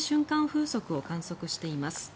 風速を観測しています。